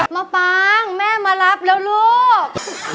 มาปางแม่มารับแล้วลูก